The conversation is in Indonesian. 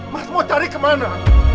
mas mau cari ke mana